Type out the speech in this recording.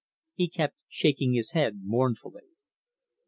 He kept shaking his head mournfully.